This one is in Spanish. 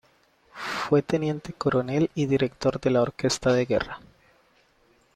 Fue teniente coronel y director de la orquesta de guerra.